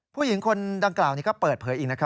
ผู้หญิงคนดังกล่าวเปิดเผยอี่ง